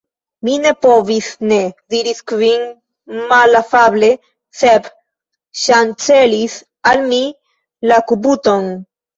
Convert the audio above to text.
"Mi ne povis ne," diris Kvin malafable. "Sep ŝancelis al mi la kubuton."